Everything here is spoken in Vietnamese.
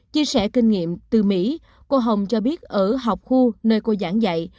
chia sẻ kinh nghiệm từ mỹ cô hồng cho biết ở học khu nơi cô giảng dạy